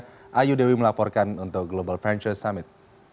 terima kasih melaporkan untuk global venture summit